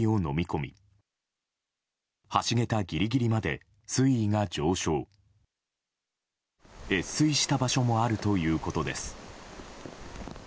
越水した場所もあるということです。